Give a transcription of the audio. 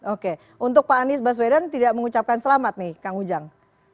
oke untuk pak anies baswedan tidak mengucapkan selamat nih kang ujang